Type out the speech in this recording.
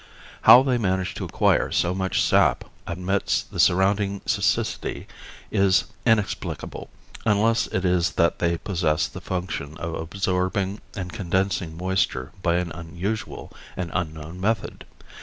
How they manage to acquire so much sap amidst the surrounding siccity is inexplicable, unless it is that they possess the function of absorbing and condensing moisture by an unusual and unknown method.